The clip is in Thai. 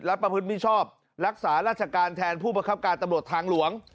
และประพฤติมิชอบรักษาราชการแทนผู้ประคับการตำรวจทางหลวง